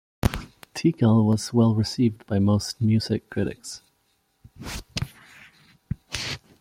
"Tical" was well received by most music critics.